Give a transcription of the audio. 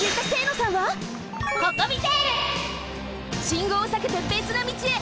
信号をさけてべつの道へ。